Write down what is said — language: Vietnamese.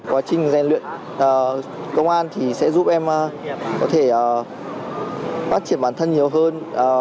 quá trình rèn luyện công an thì sẽ giúp em có thể phát triển bản thân nhiều hơn